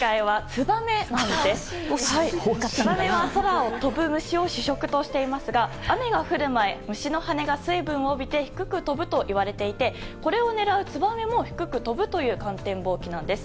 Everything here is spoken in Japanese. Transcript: ツバメは空を飛ぶ虫を主食としていますが雨が降る前虫の羽が水分を帯びて低く飛ぶといわれていてこれを狙うツバメも低く飛ぶという観天望気なんです。